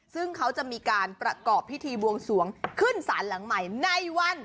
ซึ่งเขาจะมีการประกอบพิธีบวงสวงขึ้นศาลหลังใหม่ในวัน